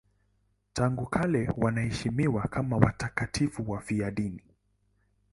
Tangu kale wanaheshimiwa kama watakatifu wafiadini.